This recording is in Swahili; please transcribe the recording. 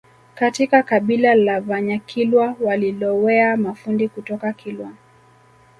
Katika kabila la Vanyakilwa walilowea mafundi kutoka kilwa